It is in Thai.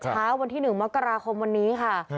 เช้าวันที่๑มกราคมวันนี้ค่ะ